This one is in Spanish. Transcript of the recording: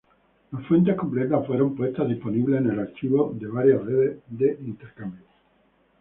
Las fuentes completas fueron puestas disponibles en el archivo de varias redes de intercambio.